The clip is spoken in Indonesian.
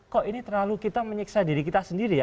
kok ini terlalu kita menyiksa diri kita sendiri ya